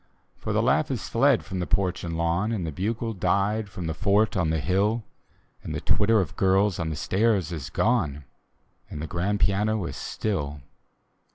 For the laugh is fled from the porch and lawn, And the bugle died from the fort on the hill, And the twitter of girls on the stairs is gone, And the grand piano is still.